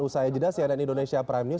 usaha yang jelas di cnn indonesia prime news